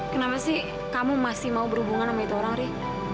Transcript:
kenapa sih kamu masih mau berhubungan sama itu orang ri